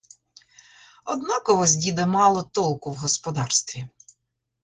Однаково з діда мало толку в господарстві.